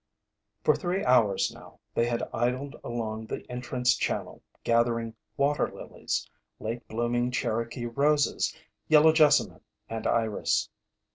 For three hours now, they had idled along the entrance channel, gathering water lilies, late blooming Cherokee roses, yellow jessamine, and iris.